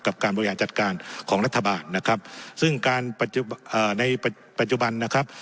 การบริหารจัดการของรัฐบาลนะครับซึ่งการปัจจุบันในปัจจุบันนะครับ